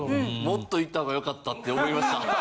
もっといった方が良かったって思いました。